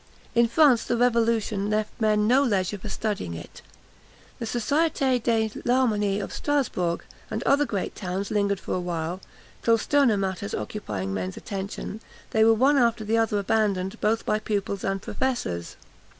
In France the revolution left men no leisure for studying it. The Sociétés de l'Harmonie of Strasbourg, and other great towns lingered for a while, till sterner matters occupying men's attention, they were one after the other abandoned, both by pupils and professors.